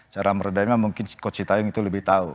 cara meredamnya mungkin coach sinta itu lebih tahu